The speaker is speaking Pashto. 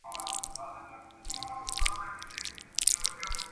څېړونکي باید کره او باوري ماخذونه وکاروي.